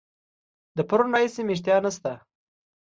د پرون راهیسي مي اشتها نسته.